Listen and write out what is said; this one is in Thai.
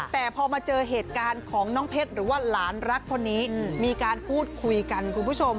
แต่พอมาเจอเหตุการณ์ของน้องเพชรหรือว่าหลานรักคนนี้มีการพูดคุยกันคุณผู้ชม